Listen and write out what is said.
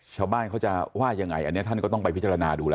ชาวบ้านเขาจะว่ายังไงอันนี้ท่านก็ต้องไปพิจารณาดูแล้ว